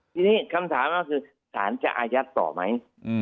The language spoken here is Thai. ทีนี้คำถามก็คือสารจะอายัดต่อไหม